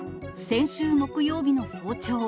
先週木曜日の早朝。